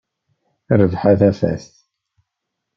Rrbeḥ a tafat.